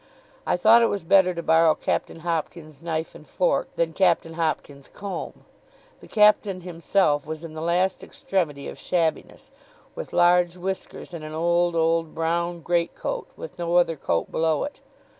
I thought it was better to borrow Captain Hopkins's knife and fork, than Captain Hopkins's comb. The Captain himself was in the last extremity of shabbiness, with large whiskers, and an old, old brown great coat with no other coat below it.